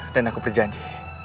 dan aku berjanji